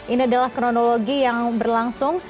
ini adalah kronologi yang berlangsung